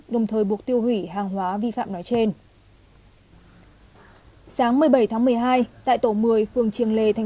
đồng thời buộc tiêu hủy hàng hóa vi phạm nói trên